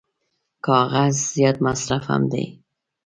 د کاغذ زیات مصرف هم دی.